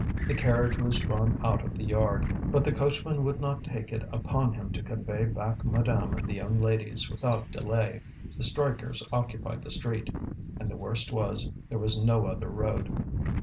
The carriage was drawn out of the yard, but the coachman would not take it upon him to convey back madame and the young ladies without delay; the strikers occupied the street. And the worst was, there was no other road.